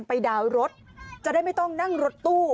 ดาวน์รถจะได้ไม่ต้องนั่งรถตู้